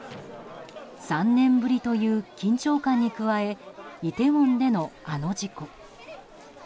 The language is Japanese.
３年ぶりという緊張感に加えイテウォンでのあの事故。